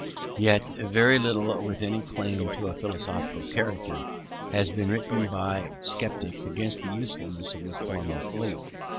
Yet very little, with any claim to a philosophical character, has been written by sceptics against the usefulness of this form of belief.